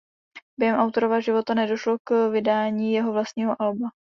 Během autorova života nedošlo k vydání jeho vlastního alba.